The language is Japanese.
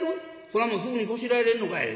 そんなもんすぐにこしらえれんのかい？」。